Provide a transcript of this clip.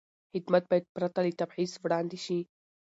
خدمت باید پرته له تبعیض وړاندې شي.